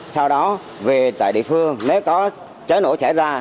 sau đó về tại địa phương nếu có cháy nổ xảy ra